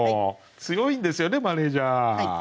強いんですよねマネージャー。